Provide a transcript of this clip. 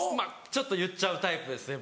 ちょっと言っちゃうタイプですね